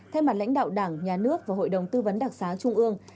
thay mặt lãnh đạo đảng nhà nước và hội đồng tư vấn đặc xá trung ương